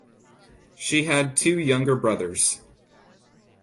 She had two younger brothers.